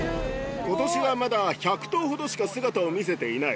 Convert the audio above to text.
ことしはまだ１００頭ほどしか姿を見せていない。